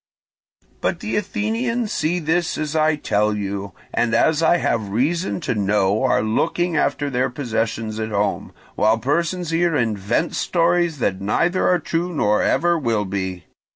"But the Athenians see this as I tell you, and as I have reason to know are looking after their possessions at home, while persons here invent stories that neither are true nor ever will be.